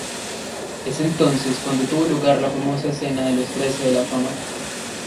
Es entonces cuando tuvo lugar la famosa escena de los Trece de la Fama.